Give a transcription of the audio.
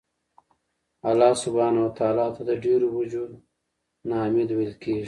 الله سبحانه وتعالی ته د ډيرو وَجُو نه حــمید ویل کیږي